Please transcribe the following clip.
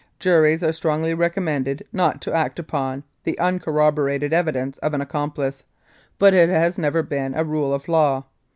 Juries are strongly recommended not to act upon the uncorroborated evidence of an accomplice, but it has never been a rule of law.